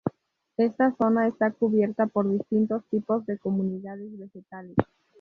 Esta zona está cubierta por distintos tipos de comunidades vegetales.